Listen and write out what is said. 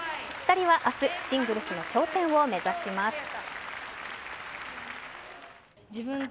２人は明日シングルスの頂点を目指します。